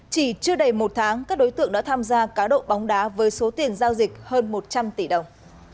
chỉ chưa đầy một tháng các đối tượng đã tham gia cá độ bóng đá với số tiền giao dịch hơn một trăm linh tỷ đồng